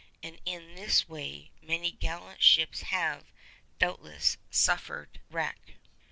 And in this way many gallant ships have, doubtless, suffered wreck.